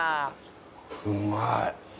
うまい